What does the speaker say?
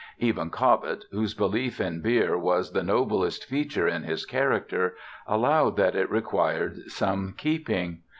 Even Cobbett, whose belief in beer was the noblest feature in his character, allowed that it required some keeping.